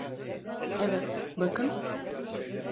Evet, bakın.